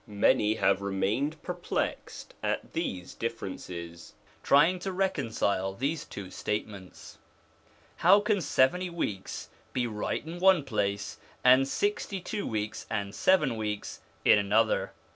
Many have remained perplexed at these differences, trying to reconcile these two statements. How can seventy weeks be right in one place, and sixty two weeks and seven weeks in another